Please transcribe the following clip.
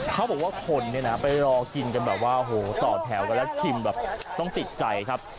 เขาบอกว่าคนเนี่ยนะไปรอกินกันแบบว่าโหต่อแถวกันแล้วชิมแบบต้องติดใจครับ